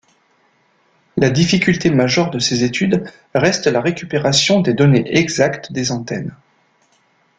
La difficulté majeure de ces études reste la récupération des données exactes des antennes.